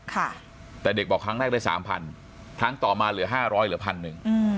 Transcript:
ค่ะแต่เด็กบอกครั้งแรกได้สามพันครั้งต่อมาเหลือห้าร้อยเหลือพันหนึ่งอืม